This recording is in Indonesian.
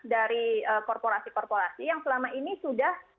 dari korporasi korporasi yang selama ini sudah